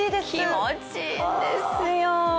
気持ちいいんですよ。